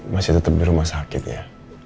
masih tetap di rumah sakitnya